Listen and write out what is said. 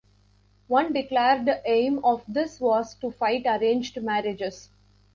One declared aim of this was to fight arranged marriages.